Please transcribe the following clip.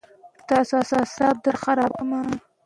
که مورنۍ ژبه پیاوړې سي، ټولنه کې بې سوادي نه پاتې کېږي.